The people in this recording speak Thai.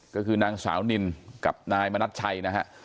ก็คือนางสาวนินกับนายมณัชชัยนะฮะ